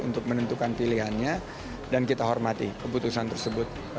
memperbentukkan pilihannya dan kita hormati keputusan tersebut